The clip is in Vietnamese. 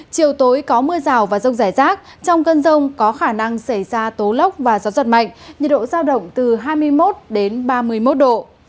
chiều tối có mưa rào và rông rải rác trong cơn rông có khả năng xảy ra tố lốc và gió giật mạnh nhiệt độ giao động từ hai mươi một đến ba mươi một độ